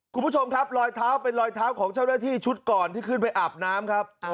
คุณผู้ชมครับรอยเท้าเป็นรอยเท้าของเจ้าหน้าที่ชุดก่อนที่ขึ้นไปอาบน้ำครับ